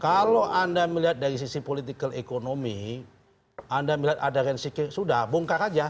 kalau anda melihat dari sisi political ekonomi anda melihat ada resiko sudah bongkar aja